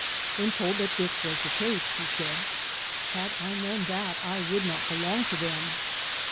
When told that this was the case she said : "Had I known that, I would not belong to them."